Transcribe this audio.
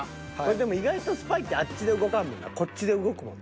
でも意外とスパイってあっちで動かんもんなこっちで動くもんな。